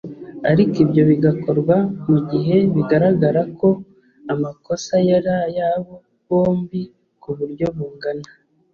ariko ibyo bigakorwa mu gihe bigaragara ko amakosa yari ayabo bombi ku buryo bungana